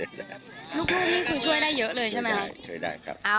ลูกนี่คือช่วยได้เยอะเลยใช่ไหมช่วยได้ครับ